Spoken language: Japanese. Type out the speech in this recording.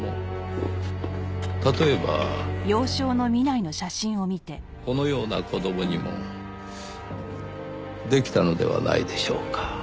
例えばこのような子供にもできたのではないでしょうか？